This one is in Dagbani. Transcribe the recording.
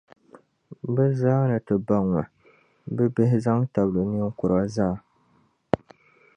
Bɛ zaa ni ti baŋ ma, bibihi zaŋ tabili ninkura zaa.